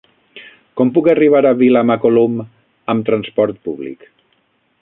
Com puc arribar a Vilamacolum amb trasport públic?